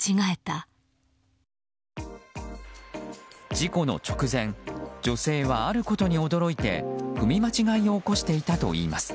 事故の直前女性は、あることに驚いて踏み間違えを起こしていたといいます。